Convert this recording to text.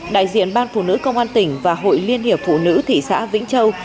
đại diện ban phụ nữ công an tỉnh và hội liên hiệp phụ nữ thị xã vĩnh châu